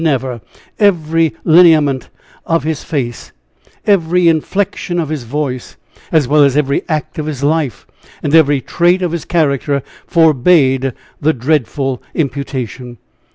never! Every lineament of his face, every inflection of his voice, as well as every act of his life, and every trait of his character, forbade the dreadful imputation!